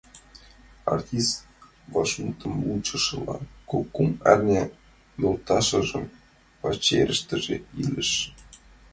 Артист, вашмутым вучышыла, кок-кум арня йолташыжын пачерыштыже илыш.